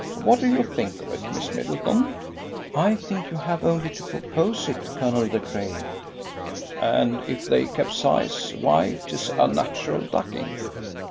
What do you think of it, Miss Middleton?" "I think you have only to propose it, Colonel De Craye." "And if they capsize, why, 'tis a natural ducking!"